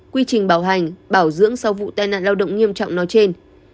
quy trình bảo hành bảo dưỡng sau vụ tai nạn lao động nghiêm trọng nói trên